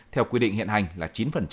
theo quy định hiện hành là chín